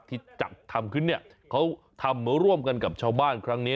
ที่จัดทำขึ้นเนี่ยเขาทำร่วมกันกับชาวบ้านครั้งนี้